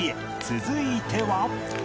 続いては